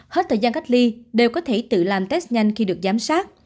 hết thời gian cách ly đều có thể tự làm test nhanh khi được giám sát